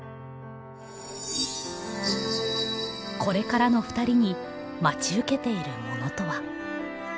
これからのふたりに待ち受けているものとは？